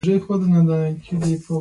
دا شبکه د باورونو تړاو دی.